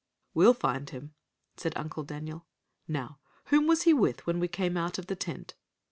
"We'll find him," said Uncle Daniel. "Now whom was he with when we came out of the tent?"